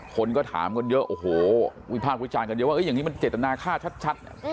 คนก็ถามกันเยอะโอ้โหวิพากษ์วิจารณ์กันเยอะว่าอย่างนี้มันเจตนาค่าชัด